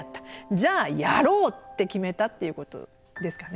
じゃあやろうって決めたっていうことですかね。